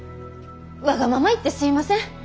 わがまま言ってすいません。